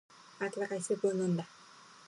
温かいスープを飲んだ。